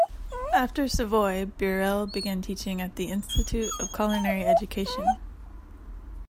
After Savoy, Burrell began teaching at the Institute of Culinary Education.